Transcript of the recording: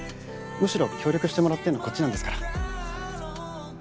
むしろ協力してもらってんのこっちなんですから。